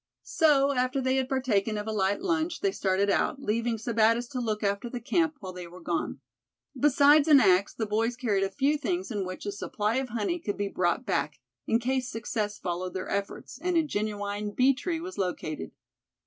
So, after they had partaken of a light lunch, they started out, leaving Sebattis to look after the camp while they were gone. Besides an axe, the boys carried a few things in which a supply of honey could be brought back, in case success followed their efforts, and a genuine bee tree was located.